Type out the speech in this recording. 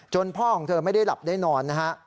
พ่อของเธอไม่ได้หลับได้นอนนะฮะ